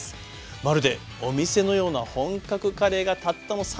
まるでお店のような本格カレーがたったの３５分。